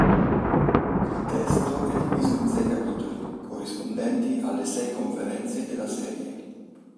Il testo è diviso in sei capitoli, corrispondenti alle sei conferenze della serie.